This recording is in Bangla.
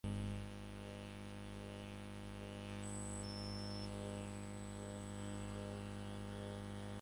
পাশাপাশি মাঝে-মধ্যে স্পিন বোলিং করে থাকেন তিনি।